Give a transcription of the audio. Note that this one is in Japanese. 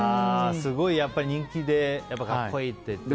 すごい人気で格好いいってね。